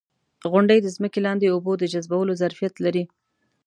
• غونډۍ د ځمکې لاندې اوبو د جذبولو ظرفیت لري.